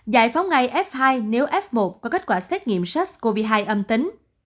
giải phóng ngay f hai nếu f một có kết quả xét nghiệm sars cov hai âm tính